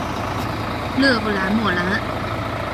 勒布莱莫兰。